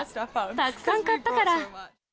たくさん買ったから。